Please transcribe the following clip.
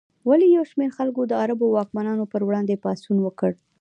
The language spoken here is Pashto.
ولې یو شمېر خلکو د عربو واکمنانو پر وړاندې پاڅون وکړ؟